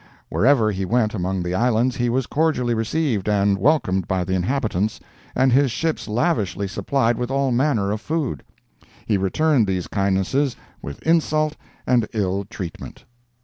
Wherever he went among the islands he was cordially received and welcomed by the inhabitants, and his ships lavishly supplied with all manner of food. He returned these kindnesses with insult and ill treatment.